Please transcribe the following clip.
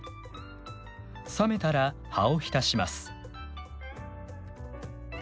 冷めたら葉を浸します。